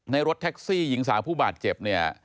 รถแท็กซี่หญิงสาวผู้บาดเจ็บเนี่ย